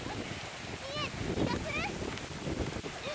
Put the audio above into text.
見えた気がする！